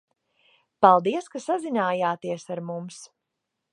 Paldies, ka sazinājāties ar mums!